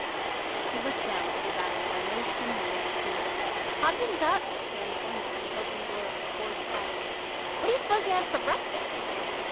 She looked down the valley, where no chimney yet smoked. 'Hobden's up!' Dan pointed to the open door of the Forge cottage. 'What d'you suppose he has for breakfast?